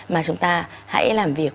mà chúng ta hãy làm việc